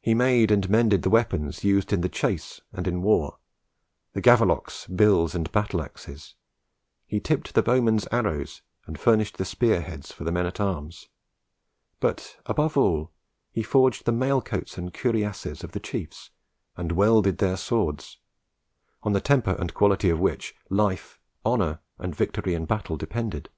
He made and mended the weapons used in the chase and in war the gavelocs, bills, and battle axes; he tipped the bowmen's arrows, and furnished spear heads for the men at arms; but, above all, he forged the mail coats and cuirasses of the chiefs, and welded their swords, on the temper and quality of which, life, honour, and victory in battle depended.